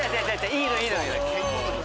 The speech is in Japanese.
いいのいいの。